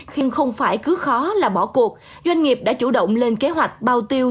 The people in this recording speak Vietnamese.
nhưng không phải cứ khó là bỏ cuộc doanh nghiệp đã chủ động lên kế hoạch bao tiêu